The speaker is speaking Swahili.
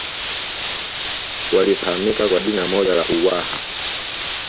walifahamika kwa jina moja la Uwaha